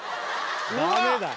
ダメだ。